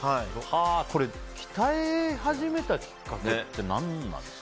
これ、鍛え始めたきっかけって何なんですか。